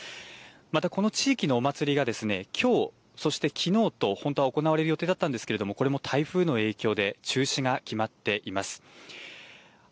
またこの地域のお祭りがきょう、そしてきのうと本当は行われる予定だったんですけれどもこれも台風の影響で中止が決まっています。